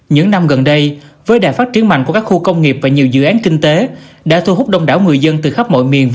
những năm gần đây với đại phát triển mạnh của các khu công nghiệp